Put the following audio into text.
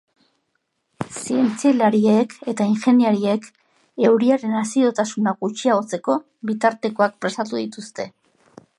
Zientzialariek eta ingeniariek euriaren azidotasuna gutxiagotzeko bitartekoak prestatu dituzte.